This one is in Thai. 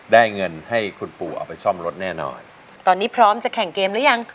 ได้เงินให้คุณปู่เอาไปซ่อมรถแน่นอนตอนนี้พร้อมจะแข่งเกมหรือยัง